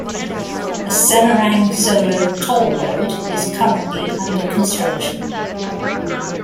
A Semarang-Solo Toll Road is currently under construction.